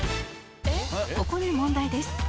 「ここで問題です」